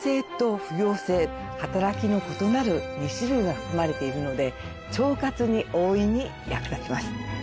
働きの異なる２種類が含まれているので腸活に大いに役立ちます。